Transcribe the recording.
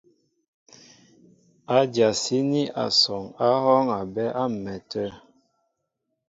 Ádyasíní asɔŋ á hɔ́ɔ́ŋ a bɛ́ á m̀mɛtə̂.